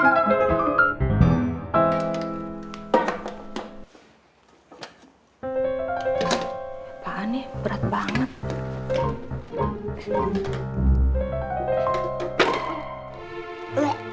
apaan nih berat banget